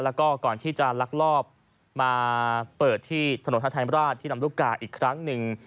แล้วก็ก่อนที่จะลักลอบมาเปิดที่ถนนฮาทายมราชที่ลำลูกกาอีกครั้งหนึ่ง